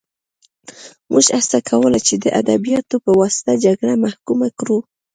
موږ هڅه کوله چې د ادبیاتو په واسطه جګړه محکومه کړو